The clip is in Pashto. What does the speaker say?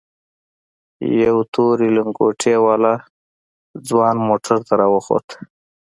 يو تورې لنگوټې والا ځوان موټر ته راوخوت.